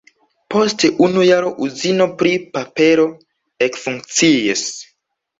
Post unu jaro uzino pri papero ekfunkciis.